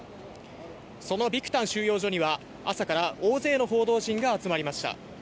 そのビクタン収容所には朝から大勢の報道陣が集まりました。